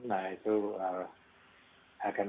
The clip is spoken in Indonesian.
nah itu akan